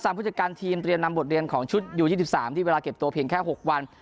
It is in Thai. สามผู้จัดการทีมเตรียมนำบทเรียนของชุดอยู่ยี่สิบสามที่เวลาเก็บตัวเพียงแค่หกวัน